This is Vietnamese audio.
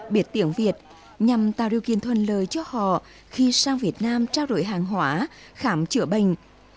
biết tiếng việt nhằm tạo điều kiện thuần lời cho họ khi sang việt nam trao đổi hàng hóa khám chữa bệnh